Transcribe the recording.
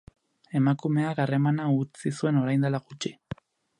Emakumeak harremana utzi zuen orain dela gutxi.